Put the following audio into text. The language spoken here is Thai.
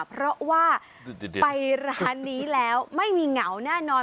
เพราะว่าไปร้านนี้แล้วไม่มีเหงาแน่นอน